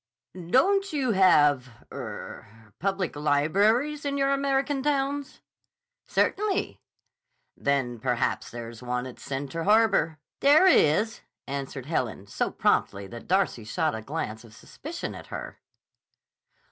"Don't you have—er—public libraries in your American towns?" "Certainly." "Then perhaps there is one at Center Harbor." "There is," answered Helen, so promptly that Darcy shot a glance of suspicion at her.